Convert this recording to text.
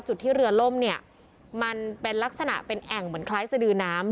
จุดที่เรือล่มเนี่ยมันเป็นลักษณะเป็นแอ่งเหมือนคล้ายสดือน้ำ